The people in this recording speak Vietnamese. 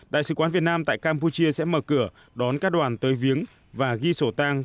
đại sứ quán việt nam tại campuchia sẽ mở cửa đón các đoàn tới viếng và ghi sổ tang